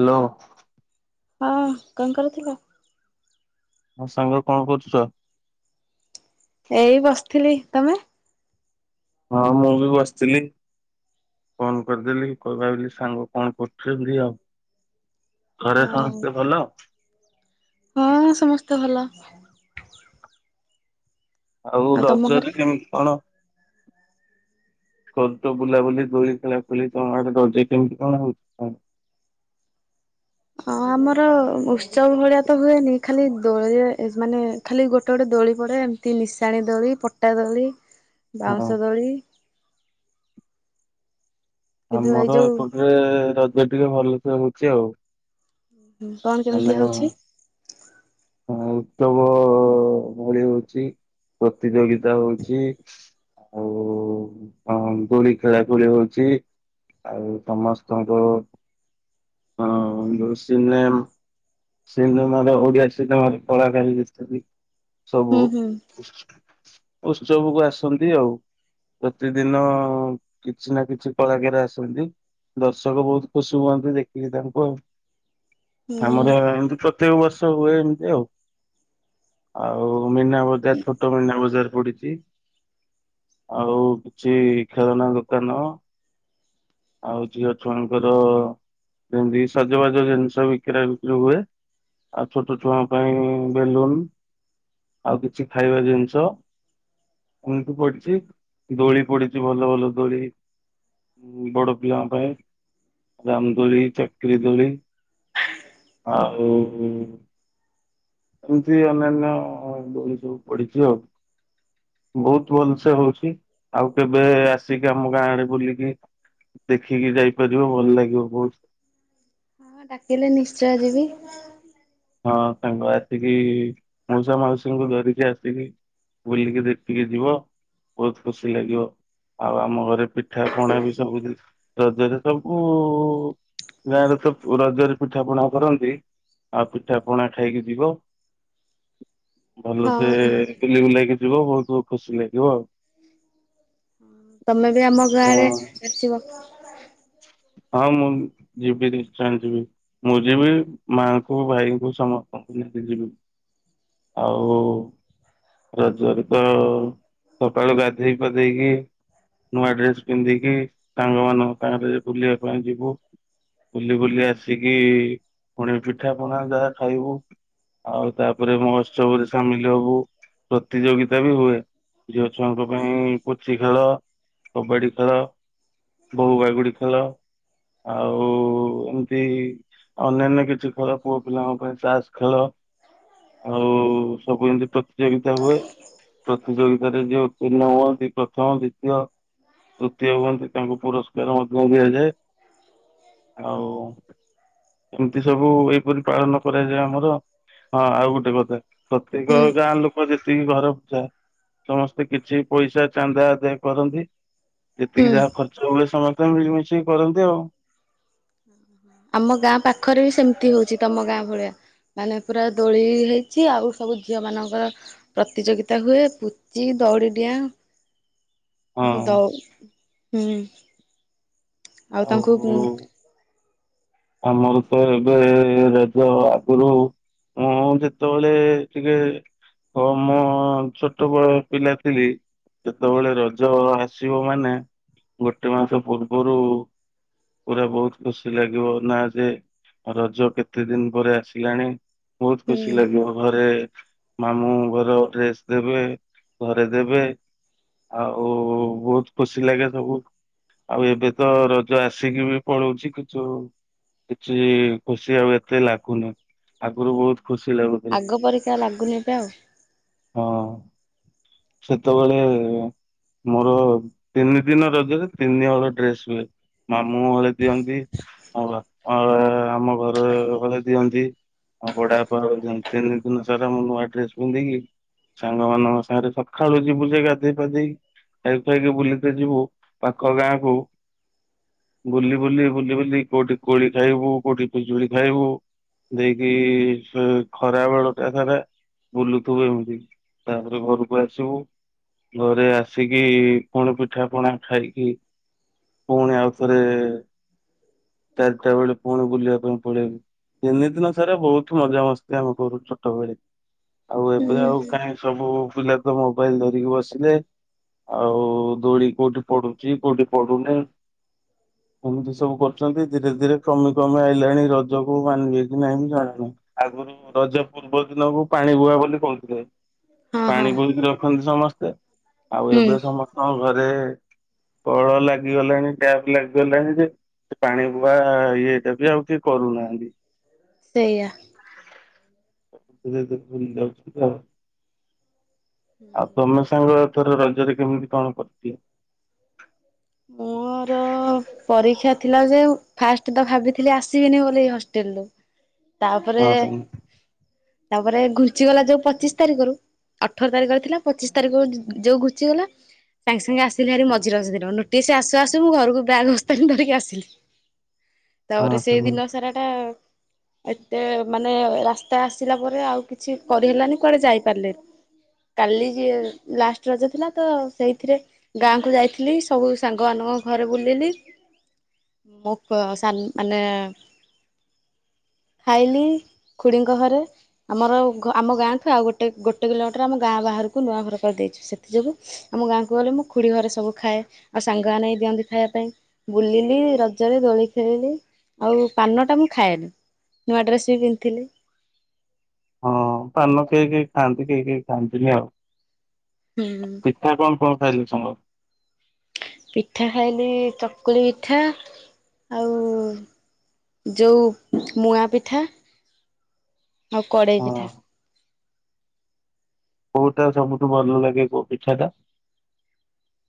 Hello ହଁ କଣ କରଥିଲା ହୋ ସାଙ୍ଗରେ କଣ କରହୁଛୁ ତ ଏଇ ବସିଥିଲି ତମେ ହଁ ମୁଁ ବି ବସିଥିଲି ଫୋନ କରିଦେଲି କହିବା ବୋଲି ସାଙ୍ଗ କଣ କରୁଥିଲେ ବୋଲି ଆଉ ଘରେ ସମସ୍ତେ ଭଲ ହଁ ସମସ୍ତେ ଭଲ ଆଉ ତମ ଘରେ? ରଜରେ କେମିତି କଣ ସବୁତ ବୁଲାବୁଲି ଦୋଳି ଖେଲା ଖୋଲି ତମଆଡ଼େ ରଜ କେମିତି କଣ ହଉଚି? ହଁ ଆମର ଉତ୍ସବ ଭଳିଆ ତ ହୁଏନି ଖାଲି ଦୋଳିରେ ଏ ମାନେ ଖାଲି ଗୋଟେ ଗୋଟେ ଦୋଳି ପଡ଼େ ଏମିତି ନିଶାଣି ଦୋଳି, ପଟା ଦୋଳି। ହଁ, ବାଉଁଶ ଦଳି। କିନ୍ତୁ ଏଇ ଆମର ଯୋଉ ଏପଟରେ ରଜ ଟିକେ ଭଲସେ ହଉ ଯଉ କଣ କେମିତି ହଉଛି? ଉତ୍ସବ ଭଳି ହଉଚି, ପ୍ରତିଯୋଗିତା ହଉଚି ଆଉ ଦୋଳି ଖେଳା ଖେଳି ହଉଚି ଆଉ ସମସ୍ତଙ୍କ ଅ ଯୋଉ ସିନେମ ସିନେମାର ଓଡ଼ିଆ ସିନେମାରେ କଳା କାର ବି ଆସୁଚନ୍ତି। ସବୁ। ହୁଁ ହୁଁ ଉତ୍ସବକୁ ଆସନ୍ତି। ଆଉ ପ୍ରତିଦିନ କିଛି ନା କିଛି କଳାକାର ଆସନ୍ତି। ଦର୍ଶକ ବହୁତ ଖୁସି ହୁଅନ୍ତି ଦେଖିକି ତାଙ୍କୁ ଆଉ। ହୁଁ। ଆମର ଏମତି ପ୍ର ତ୍ୟେକ ବର୍ଷ ହୁଏ ଏମିତି ଆଉ। ଆଉ ମୀନା ବଜାର ଛୋଟ ମୀନା ବଜାର ପଡିଛି। ଆଉ କିଛି ଖେଳନା ଦୋକାନ ଆଉ ଝିଅ ଛୁଆଙ୍କର ଯେମିତି ସଜବାଜ ଜିନିଷ ବି ବିକରା ବିକ୍ରି ହୁଏ। ଆଉ ଛୋଟ ଛୁଆଙ୍କ ପାଇଁ ବେଲୁନ ଆଉ କିଛି ଖାଇବା ଜିନିଷ, ଏମିତି ପଡ଼ିଚି। ଦୋଳି ପଡ଼ିଚି, ଭଲ ଭଲ ଦୋଳି ବଡ଼ ପିଲାଙ୍କ ପାଇଁ ରାମ ଦୋଳି ଚକିରି ଦୋଳି। ଆଉ । ଏମିତି ଅନ୍ୟାନ୍ୟ ଦୋଳି ସବୁ ପଢିଚି ଆଉ ବହୁତ ଭଲ ସେ ହଉଚି ଆଉ କେବେ ଆସିକି ଆମ ଗାଁ ଆଡେ ବୁଲିକି ଦେଖିକି ଯାଇପାରିବ ଭଲ ଲାଗିବ ବହୁତ। ହଁ ଡାକିଲେ ନିଶ୍ଚୟ ଯିବି। ହଁ ସାଙ୍ଗ ଆସିକି ମଉସା ମାଉସୀଙ୍କୁ ଧରିକି ଆସିକି ବୁଲିକି ଦେଖିକି ଯିବ। ବହୁତ ଖୁସି ଲାଗିବ। ଆଉ ଆମ ଘରେ ପିଠା ପଣା ବି ସବୁ ରଜରେ ସବୁ ଗାଁରେ ତ ରଜରେ ପିଠା ପଣା କରନ୍ତି। ଆଉ ପିଠା ପଣା ଖାଇକି ଯିବ। ଭଲସେ ହଁ ବୁଲି ବୁଲାଇକି ଯିବ ବହୁତ ବହୁତ ଖୁସି ଲାଗିବ ଆଉ। ତମେ ବି ଆମ ଗାଁ ହଁ ଆଡେ ଆସିବ। ହଁ ମୁଁ ଯିବି ନିଶ୍ଚୟ ଯିବି ମୁଁ ଯିବି ମାଙ୍କୁ, ଭାଇଙ୍କୁ ସମସ୍ତଙ୍କୁ ନେଇକି ଯିବି ଆଉ ରଜରେ ତ ସକାଳୁ ଗାଧେଇ ପାଧେଇକି ନୂଆ ଡ୍ରେସ୍ ପିନ୍ଧିକି ସାଙ୍ଗ ମାନଙ୍କ ସାଙ୍ଗରେ ବୁଲିବା ପାଇଁ ଯିବୁ ବୁଲି ବୁଲି ଆସିକି ପୁଣି ପିଠା ପଣା ଯାହା ଖାଇବୁ। ଆଉ ତାପରେ ମହୋତ୍ସବରେ ସାମିଲ ହବୁ। ପ୍ରତିଯୋଗିତା ବି ହୁଏ ଝିଅ ଛୁଆଙ୍କ ପାଇଁ ପୁଚି ଖେଳ କବାଡି ଖେଳ ବୋହୂ ବାଗୁଡ଼ି ଖେ ଖେଳ ଆଉ ଏମିତି ଅନ୍ୟାନ୍ୟ କିଛି ଖେଳ ପୁଅ ପିଲାଙ୍କ ପାଇଁ ତାସ୍ ଖେଳ ଆଉ ସବୁ ଏମତି ପ୍ରତିଯୋଗିତା ହୁଏ। ପ୍ରତିଯୋଗିତାରେ ଯୋଉ ପୂର୍ଣ୍ଣ ହୁଅନ୍ତି ପ୍ରଥମ, ଦ୍ଵିତୀୟ, ତୃତୀୟ ହୁଅନ୍ତି ତାଙ୍କୁ ପୁରସ୍କାର ଦିଆଯାଏ ଆଉ ଏମିତି ସବୁ ଏହିପରି ପାଳନ କରାଯାଏ ଆମର। ହଁ ଆଉ ଗୋଟେ କଥା। ପ୍ରତ୍ୟେକ ହୁଁ ଗାଁ ଲୋକ ଯେତିକି ଘର ଥାଏ ସମସ୍ତେ କିଛି ପଇସା ଚାନ୍ଦା ଆଦୟ କରନ୍ତି। ଯେତିକି ହୁଁ। ଯାହା ଖର୍ଚ୍ଚ ହୁଏ। ତ ମିଳିମିଶି କରନ୍ତି ଆଉ। ଆମ ଗାଁ ପାଖରେ ବି ସେମିତି ହଉଚି ତମ ଗାଁ ଭଳିଆ। ମାନେ ପୁରା ଦୋଳି ହେଇଚି ଆଉ ସବୁ ଝିଅ ମାନଙ୍କର ପ୍ରତିଯୋଗିତା ହୁଏ ପୁଚି, ଦୋଉଡ଼ିଡିଆଁ ହଁ। ଦଉ ହୁଁ। ଆଉ ତାଙ୍କୁ ଉ ଆମର ତ ଏବେ ରଜ ଆଗରୁ ମୁଁ ଯେତେବେଳେ ଟିକେ ହ ମୋ ଛୋଟବେଳେ ପିଲା ଥିଲି, ସେତେବେଳେ ରଜ ଆସିବ ମାନେ ଗୋଟେ ମାସ ପୂର୍ବରୁ ପୁରା ବହୁତ ଖୁସି ଲାଗିବ। ନା ଯେ ରଜ କେତେ ଦିନ ପରେ ଆସିଲାଣି। ବହୁତ ଖୁସି ଲାଗିବ। ଘରେ ମାମୁଁ ଘର ଡ୍ରେସ୍ ଦେବେ, ଘରେ ଦେବେ ଆଉ ବହୁତ ଖୁସି ଲାଗେ। ସବୁ ଆଉ ଏବେ ତ ରଜ ଆସିକି ବି ପଳଉଛି କିଛୁ କିଛି ଖୁସି ଆଉ ଏତେ ଲାଗୁନି। ଆଗରୁ ବହୁତ ଖୁସି ଲାଗୁଥିଲା ଆଗ ପରିକା ଲାଗୁନି ଏବେ ଆଉ। ହଁ। ସେତେବେଳେ ମୋର ତିନିଦିନ ରଜରେ ତିନି ହଳ ଡ୍ରେସ ହୁଏ। ମାମୁଁ ହଳେ ଦିଅନ୍ତି, ଆଉ ବାପା-ଆ ଆମ ଘର ହଳେ ଦିଅନ୍ତି। ଆଉ ବଡବାପା ହଳେ ଦିଅନ୍ତି ।ତିନି ଦିନ ରଜରେ ମୁଁ ନୂଆ ଡ୍ରେସ ପିନ୍ଧିକି ସାଙ୍ଗ ମାନଙ୍କ ସାଙ୍ଗରେ ସ ସଖାଳୁ ଯିବୁ ଯେ, ଗାଧେଇ ପାାଧେଇ କି ଖାଇ ଖାଇକି ବୁଲିତେ ଯିବୁ ପାଖ ଗାଁକୁ। ବୁଲି ବୁଲି ବୁଲି ବୁଲି କୋଉଠି କୋଳି ଖାଇବୁ? କୋଉଠି ପିଜୁଳି ଖାଇବୁ? ଦେଇକି ସେ ଖରା ବେଳ ଟା ସାରା ବୁଲୁଥିବୁ ଏମିତି। ତାପରେ ଘରୁ ଆସିବୁ। ଘରେ ଆସିକି ପୁଣି ପିଠା ପଣା ଖାଇକି ପୁଣି, ଆଉଥରେ ଚାରିଟା ବେଳେ ପୁଣି, ବୁଲିବା ପାଇଁ ପଳେଇବୁ। ତିନି ଦିନ ସାରା ବହୁତ ମଜା ମସ୍ତି ଆମେ କରୁ ଛୋଟବେଳେ। ଆଉ ଏବେ ହୁଁ ଆଉ କାହିଁ ସବୁ? ବୁଲା ତ ମୋବାଇଲ ଧରିକି ବସିଲେ ଆଉ ଦୋଳି କୋଉଠି ପଡୁଛି କୋଉଠି ପଡୁନି? ଏମିତି ସବୁ କରୁଛନ୍ତି ଧୀରେ ଧୀରେ କମି କମି ଆଇଲାଣି ରଜକୁ ମାନିବେ । କି ନାହିଁ ମୁଁ ଜାଣିନି। ଆଗରୁ ରଜ ପୂର୍ବ ଦିନକୁ ପାଣିବୁହା ବୋଲି କହୁଥିଲେ। ହଁ ହଁ ପାଣି ବୋହି ସମସ୍ତେ। ଆଉ ହୁଁ ଏବେ ସମସ୍ତଙ୍କ ଘରେ ବେ କଳ ଲାଗିଗଲାଣି, ଟ୍ୟାପ ଲାଗିଗଲାଣି, ଯେ ପାଣି ପୁଆ ଇଏ ଟା ବି ଆଉ କିଏ କରୁନାହାନ୍ତି। ସେଇଆ। ବୁଝେଇ ଦେଲୁ ଭୁଲିଯାଉଛି ତ। ଆଉ ତମ ସାଙ୍ଗ? ର ରଜରେ କେମିତି କଣ କଟିଲା? ମୋର ଅ ପରୀକ୍ଷା ଥିଲା ଯେ ଫାଷ୍ଟ ତ ଭାବିଥିଲି ଆସିବିନି ବୋଲି ଏ ହଷ୍ଟେଲ ରୁ। ହଁ ତାପରେ ସାଙ୍ଗ ତାପରେ, ଘୁଞ୍ଚିଗଲା ଯୋଉ ପଚିଶ ତାରିଖରୁ ଅଠର ତାରିଖରେ ଥିଲା ପଚିଶ ତାରିଖରୁ ଯୋଉ ଘୁଞ୍ଚିଗଲା, ସାଙ୍ଗେ ସାଙ୍ଗେ ଆସିଲି ଭାରି ମଝି ରଜ ଦିନ। ନୋଟ ସେ ଆସୁ ଆସୁ ମୁଁ ଘରକୁ ବ୍ୟାଗ୍ ବସ୍ତାନି ଧରିକି ଆସିଲି। ହଁ ତାପରେ ସାଙ୍ଗ ସେଇଦିନ ସାରାଟା ଆ ଏତେ ମାନେ ରାସ୍ତା ଆସିଲା ପରେ ଆଉ କିଛି କରିହେଲାନି। କୁଆଡେ? ସବୁ ସାଙ୍ଗମାନଙ୍କ ଘରେ ବୁଲିଲି, ମୋ ପ ସାନ ମାନେ ଖାଇଲି ଖୁଡ଼ିଙ୍କ ଘରେ, ଆମର ଆମ ଗାଁଠୁ ଆଉ ଗୋଟେ ଗୋଟେ କିଲୋମିଟର ଆମ ଗାଁ ବାହାରକୁ ନୂଆ କରିଦେଇଛୁ, ସେଥିଯୋଗୁଁ ଆମ ଗାଁକୁ ଗଲେ ମୁଁ ଖୁଡ଼ି ଘରେ ସବୁ ଖାଏ। ଆଉ ସାଙ୍ଗମାନେ ଦିଅନ୍ତି ଖାଇବା ପାଇଁ, ବୁଲିଲି ରଜରେ ଦୋଳି। ଖେଳିଲି ଆଉ ପାନଟା ମୁଁ ଖାଏନୀ ନୂଆ ଡ୍ରେସ୍ ବି ପିନ୍ଧଥିଲି। ହଁ ପାନ, କେହି କେହି ଖାଆନ୍ତି କେହିକେହି ଖାଆନ୍ତିନି ଆଉ। ହୁଁ, ପିଠା କଣ କଣ ଖାଇଲୁ ସାଙ୍ଗ? ପିଠା ଖାଇଲି ଚକୁଳି ପିଠା, ଆଉ ଯଉ ମୁଆଁ ପିଠା, ଆଉ କଡ଼େଇ ହଁ ପିଠା। କୋଉଟା ସବୁଠୁ ଭଲ ଲାଗେ କୋଉ ପିଠା ଟା?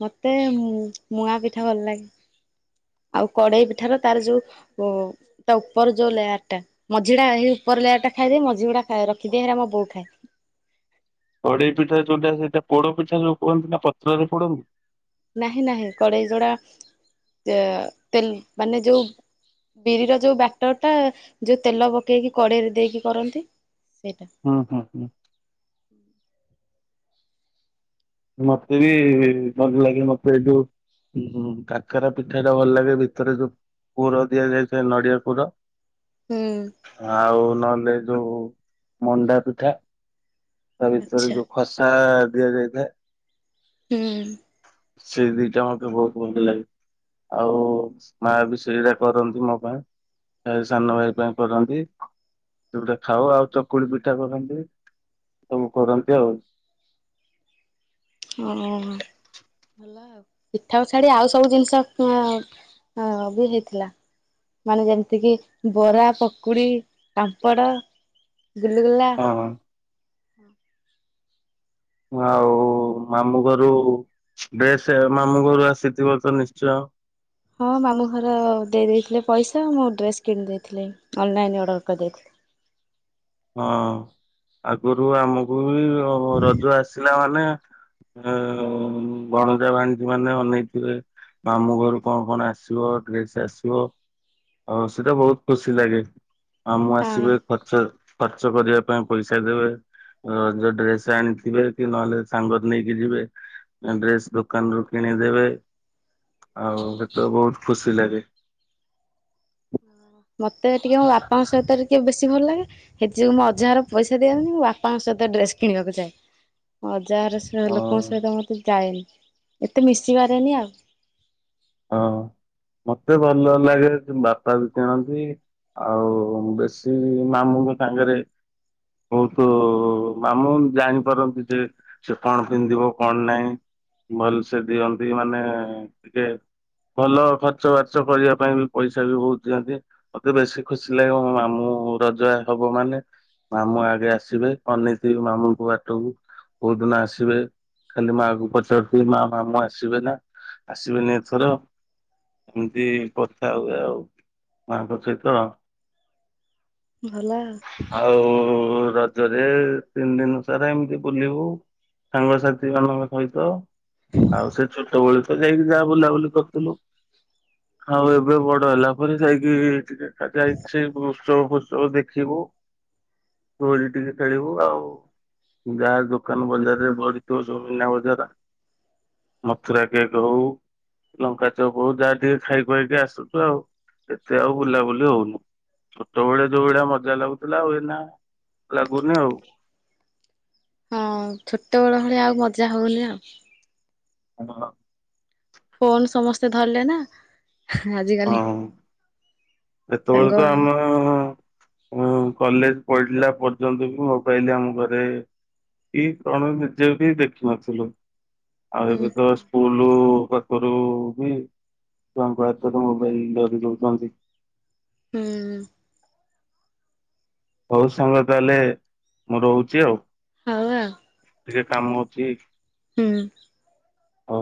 ମତେ ମୁ-ମୁଆଁ ପିଠା ଭଲ ଲାଗେ, ଆଉ କଡେଇ ପିଠା ର ତାର ଯୋଉ-ଉ ତା ଉପର ଯୋଉ ଲେୟାର ଟା, ମଝିଟା ହେଇ ଉପର ଲେୟାର ଟା ଖାଇଦିଏ, ମଝି ଗୁଡା ଖାଇ ରଖିଦିଏ ହେଡା ମୋ ବୋଉ ଖାଏ। କଡେଇ ପିଠା ଯୋଉଟା ସେଇଟା ପୋଡ ପିଠା ଯୋଉ କୁହନ୍ତି ନା ପତ୍ରରେ ପୋଡନ୍ତି? ନାହିଁ ନାହିଁ କଡେଇ ଯୋଉଡା ତେ-ତେଲ ମାନେ ଯୋଉ ବିରିର ଯୋଉ ବାଟର ଟା ଯୋଉ ତେଲ ପକେଇକି କଡେଇରେ ଦେଇକି କରନ୍ତି। ସେଇଟା ହୁଁ ହୁଁ ହୁଁ। ମତେ ବି-ଇ ଭଲ ଲାଗେ ମତେ ଏ ଯୋଉ ଉ କାକରା ପିଠା ଟା ଭଲ ଲାଗେ ଭିତରେ ଯୋଉ ପୂୁର ଦିଆଯାଇଥାଏ ନଡିଆ ପୁର। ହୁଁ ଆଉ ନହଲେ। ଯୋଉ ମଣ୍ଡା ପିଠା। ତା ଭିତରେ ଯୋଉ ଖସା। ଦିଆଯାଇଥାଏ। ହୁଁ। ସେଇ ଦିଟା ମତେ ବହୁତ ଭଲ ଲାଗେ ଆଉ ମା ବି ସେଇଟା କରନ୍ତି ମୋ ପାଇଁ ସାନ ଭାଇ ପାଇଁ କରନ୍ତି ସେଗୁଟା ଖାଉ ଆଉ ଚକୁଳି ପିଠା କରନ୍ତି ସବୁ କରନ୍ତି ଆଉ। ଓ ଭଲ ଆଉ ପିଠାକୁ ଛାଡି ଆଉ ସବୁ ଜିନିଷ ବି ହେଇଥିଲା ମାନେ ଯେମିତିକି ବରା ପକୁଡି ପାାମ୍ପଡ଼ ବୁଲଗୁଲା। ହଁ ଆଉ ମାମୁଁ ଘରୁ ଡ୍ରେସ୍ ମାମୁଁ ଘରୁ ଆସିଥିବ ତ ନିଶ୍ଚୟ। ହଁ ମାମଁ ଘର ଦେଇ ଦେଇଥିଲେ ପଇସା ମୁଁ ଡ୍ରେସ କିଣି ଦେଇଥିଲି ଅନଲାଇନ ଅର୍ଡର କରିଦେଇଥିଲି। ହଁ ଆଗରୁ ଆମକୁ ରଜ ଆସିବ। ପିଲାମାନୋନ ବଣଜା ଭାଣ୍ଡିଟି ମାନେ ଅନେଇଥିବେ ମାମୁଁ ଘରୁ କଣ କଣ ଆସିବ ଡ୍ରେସ ଆସିବ ଆଉ ସେଟା ବହୁତ ଖୁସି ଲାଗେ। ହଁ ମୁଁ ଆସିବି ଖର୍ଚ୍ଚ ଚାଷ କରିବା ପାଇଁ ପଇସା ଦେବେ ର ଡ୍ରେସ ଆଣିଥିବେ କି ନହେଲେ ସାଙ୍ଗ ନେଇକି ଯିବେ ଡ୍ରେସ ଦୋକାନରୁୁ କିଣିଦେବେ। ଆଉ ଏତ କହୁ ଖୁସି ଲାଗେ। ହଁ ମ [inaudible] ଟିକେ ମୋ ବାପାଙ୍କ ସହିତ ଟିକେ ବେଶୀ ଭଲ ଲାଗେ ହେଥିଯୋଗୁଁ ମୁଁ ଅଜାହାର ପଇସା ଦିଆନି ମୁଁ ବାପାଙ୍କ ସହିତ ଡ୍ରେସ୍ କିଣିବାକୁ ଯାଏଁ। ଯାହାର ଆଉ ଲୋକଙ୍କ ସହିତ ମୋତେ ଯାଏନି। ଏତେ ମିଶିିବାରେନି ଆଉ। ହଁ ମତେ ଭଲ ଲାଗେ ବାପା ବି କିଣନ୍ତି ଆଉ ବେଶୀ ମାମୁଁ ବି ସାଙ୍ଗରେ ବହୁତ ମାମୁଁ ଜାଣିପାରନ୍ତି ଯେ ସେ କଣ ପିନ୍ଧିବ କଣ ନାହିଁ ଭଲ ସେ ଦିଅନ୍ତି ମାନେ ଟିକେ ଭଲ ଖର୍ଚ ବାର୍ଚ୍ଚ କରିବା ପାଇଁ ବି ପଇସା ବି ବହୁତ ଦିଅନ୍ତି ମତେ ବେଶୀ ଖୁସି ଲାଗିବ ମାମୁଁ ରଜଗ ହବ ମାନେ ମାମୁଁ ଆଗେ ଆସିବେ ଅନନେଇଥିବ ମାମୁଁଙ୍କୁ ବାଟକୁ କୋଉ ଦିନ ଆସିବେ ଖାଲି ମା କ ପଚାରୁଥିବେ ମା ମାମୁଁ ଆସିବେ ନା ଆସିବେନି? ର ଏମିତି କଥା ହୁଏ ଆଉ ମାଙ୍କ ସହିତ। ଭଲ ଆଉ। ଆଉ। ରଜରେ ତିନି ଦିନ ସାରା ଏମିତି ବୁଲିବୁ ସାଙ୍ଗସାଥି ମାନଙ୍କ ସହିତ ଆଉ ସେ ଛୋଟବେଳୁ। ତ ଯାଇକି ଯା ବୁଲାବୁଲି କରିଥିଲୁ ଆଉ ଏବେ ବଡ ହେଲା ପରେ ଯାଇକି ଟିକେ ଯାଇଛି। ଉତ୍ସବ ଫସବ ଦେଖିବୁ କୋଳି ଟିକେ ଖେଳିବୁ ଆଉ ଗାଁ ଦୋକାନ ବଜାରରେ ବରିଥିବ ସବୁନା ବଜାର ମଥୁର କେକ୍ ହଉ। ଲଙ୍କା ଚଉପଉ ଯାହା ଟିକେ ଖାଇ ଖୁଆଇକି ଆସୁଛୁ ଆଉ ଏତେ ଆଉ ବୁଲାବୁଲି ହଉନି ଛୋଟବେଳେ ଯୋଉ ଭଳିଆ ମଜା ଲାଗୁଥିଲା ଆଉ ଏନା ଲାଗୁନି ଆଉ। ହଁ ଛୋଟବେେଳ ଭଳିଆ ଆଉ ମଜା ହଉନି ଆଉ। ହ। ଫୋନ ସମସ୍ତେ ଧରିଲ ନା? ଆଜିିକାଲି? ଏତେବେଳକୁ ଆମ ଓ ହୁଁ କଲେଜ ପଢିଲା ପର୍ଯ୍ୟନ୍ତ ବି ମୋବାଇଲ ଆମ ଘରେ କି କଣ ନିଜେ ବି ଦେଖିନଥିଲୁ। ଆଉ ହୁଁ ଏବେ ତ ସ୍କୁଲ ପାଖରୁ ବି ଛୁଆଙ୍କ ହାତରେ ମୋବାଇଲ ଧରି ଦଉଛନ୍ତି। ହୁଁ। ହଉ ସାଙ୍ଗ ତାହେଲେ ମୁଁ ରହୁଛି ଆଉ। ହଉ ଆଉ। ଟିକେ କାମ ଅଛି। ହୁଁ। ହଉ।